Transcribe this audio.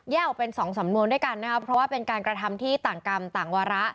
ออกเป็น๒สำนวนด้วยกันนะครับเพราะว่าเป็นการกระทำที่ต่างกรรมต่างวาระ